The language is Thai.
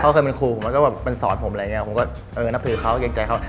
เขาเคยเป็นครูมันสอนผมอะไรผมก็นับถือเขาแองใจเข้า